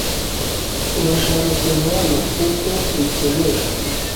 Urashaka kuva hano kuko bikenewe